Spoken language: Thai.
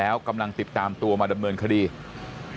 แล้วก็จะขยายผลต่อด้วยว่ามันเป็นแค่เรื่องการทวงหนี้กันอย่างเดียวจริงหรือไม่